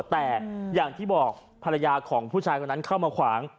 แต่อย่างที่บอกภรรยาของผู้ชายคนนั้นเข้ามาขวาง